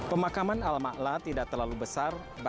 pemakaman al ma'la tidak terlalu besar